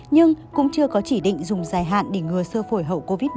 nhưng cũng chưa có chỉ định dùng dài hạn để ngừa sơ phổi hậu covid một mươi chín